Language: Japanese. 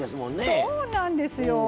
そうなんですよ。